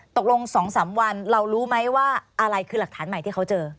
ตกลง๒๓วันเรารู้ไหมว่าอะไรคือหลักฐานใหม่ที่เขาเจอ